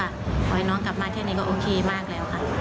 ขอให้น้องกลับมาเที่ยวนี้ก็โอเคมากแล้วค่ะ